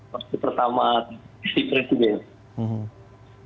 waktu pertama diisi presiden